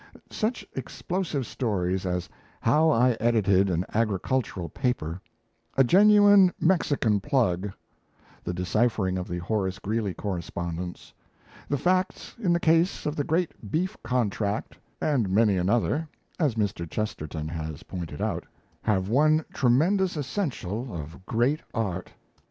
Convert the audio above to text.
Such explosive stories as 'How I Edited an Agricultural Paper', 'A Genuine Mexican Plug', the deciphering of the Horace Greeley correspondence, 'The Facts in the Case of the Great Beef Contract', and many another, as Mr. Chesterton has pointed out, have one tremendous essential of great art.